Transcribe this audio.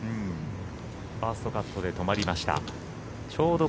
ファーストカットで止まりました。